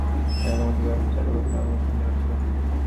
এ রকম একটি ব্যবস্থা চালুর কথাও আমরা চিন্তা করতে পারি।